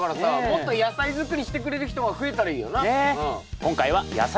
もっと野菜作りしてくれる人が増えたらいいよな。